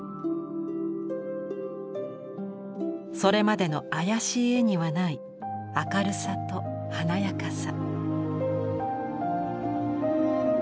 それまでの妖しい絵にはない明るさと華やかさ。